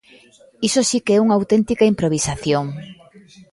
¡Iso si que é unha auténtica improvisación!